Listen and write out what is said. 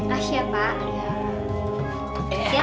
ah siap pak